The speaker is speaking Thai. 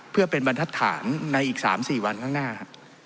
เพื่อเป็นบรรทัศนในอีก๓๔วันข้างหน้า